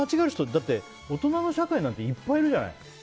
だって大人の社会なんていっぱいいるじゃない。